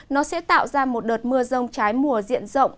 nó sẽ tạo ra một đợt mưa rông trái mùa diện rộng